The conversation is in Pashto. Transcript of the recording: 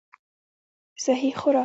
سهي خوراک